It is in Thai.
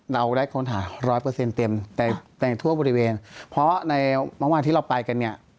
เราได้ค้นหา๑๐๐เต็มในทั่วบริเวณเพราะในบางวันที่เราไปกันเนี่ย